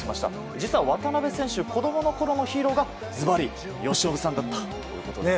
実は渡邊選手、子供のころのヒーローがズバリ由伸さんだったということですが。